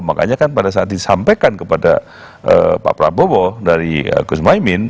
makanya kan pada saat disampaikan kepada pak prabowo dari gus mohaimin